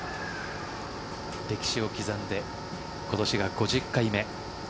歴史を刻んで今年が５０回目。